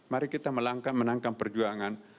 mari kita melangkah menangkan perjuangan